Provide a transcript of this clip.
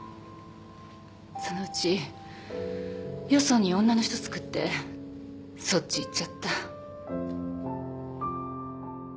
そのうちよそに女の人つくってそっち行っちゃった。